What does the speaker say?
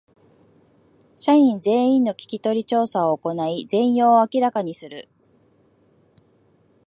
社員全員の聞き取り調査を行い全容を明らかにする